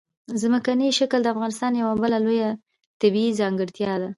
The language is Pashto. ځمکنی شکل د افغانستان یوه بله لویه طبیعي ځانګړتیا ده.